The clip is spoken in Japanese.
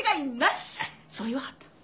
そう言わはった。